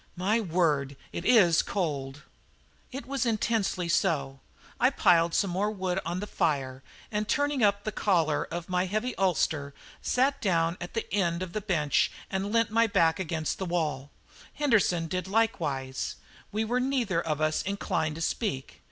My word, it is cold!" It was intensely so. I piled some more wood on the fire and, turning up the collar of my heavy ulster, sat down at one end of the bench and leant my back against the wall. Henderson did likewise; we were neither of us inclined to speak.